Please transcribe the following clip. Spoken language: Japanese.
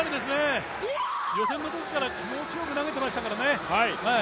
予選のときから気持ちよく投げてましたからね。